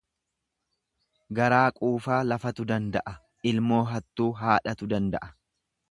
Garaa quufaa lafatu danda'a, ilmoo hattuu haadhatu danda'a.